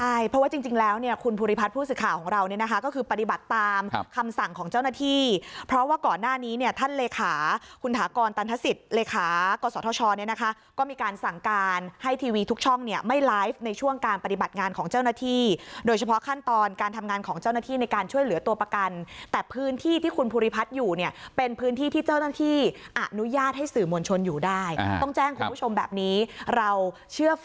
ใช่เพราะว่าจริงแล้วเนี่ยคุณภูริพัฒน์ผู้สื่อข่าวของเราเนี่ยนะคะก็คือปฏิบัติตามคำสั่งของเจ้าหน้าที่เพราะว่าก่อนหน้านี้เนี่ยท่านเลขาคุณฐากรตันทศิษย์เลขากษทชเนี่ยนะคะก็มีการสั่งการให้ทีวีทุกช่องเนี่ยไม่ไลฟ์ในช่วงการปฏิบัติงานของเจ้าหน้าที่โดยเฉพาะขั้นตอนการทำงานของเ